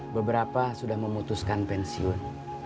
beberapa sudah memutuskan pensiun